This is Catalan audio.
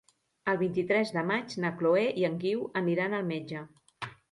El vint-i-tres de maig na Chloé i en Guiu aniran al metge.